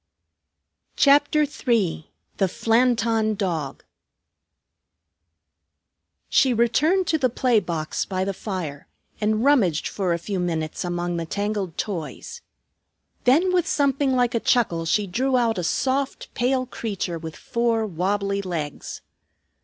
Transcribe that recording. CHAPTER III THE FLANTON DOG She returned to the play box by the fire, and rummaged for a few minutes among the tangled toys. Then with something like a chuckle she drew out a soft, pale creature with four wobbly legs.